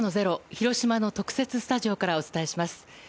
広島の特設スタジオからお伝えします。